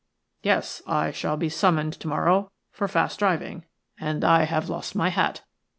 "Yes, I shall be summoned to morrow for fast driving, and I have lost my hat.